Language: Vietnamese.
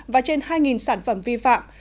và trên hai sản phẩm vi phạm